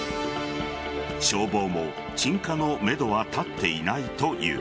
消防も鎮火のめどは立っていないという。